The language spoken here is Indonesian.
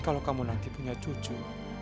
kalau kamu nanti punya cucu